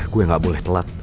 gue gak boleh telat